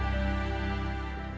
mereka mendirikan pusat kemampuan